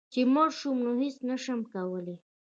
چي مړ شوم نو هيڅ نشم کولی